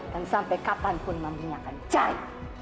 dan sampai kapanpun mami akan cari